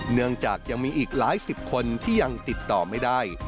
เนื่องจากยังมีอีกหลายสิบคนที่ยังติดต่อไม่ได้